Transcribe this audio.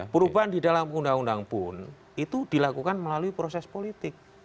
perubahan di dalam undang undang pun itu dilakukan melalui proses politik